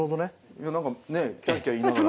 いや何かキャーキャー言いながら。